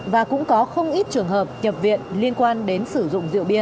và cũng có không ít trường hợp nhập viện liên quan đến sử dụng rượu bia